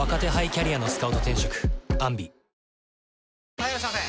・はいいらっしゃいませ！